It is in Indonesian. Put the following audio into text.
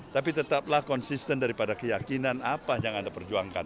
tapi tetaplah konsisten daripada keyakinan apa yang anda perjuangkan